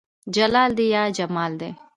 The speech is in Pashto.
جلال دى يا جمال دى